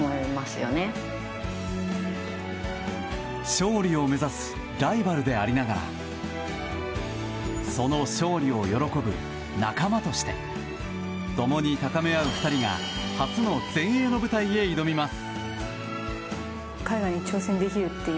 勝利を目指すライバルでありながらその勝利を喜ぶ仲間として共に高め合う２人が初の全英の舞台へ挑みます。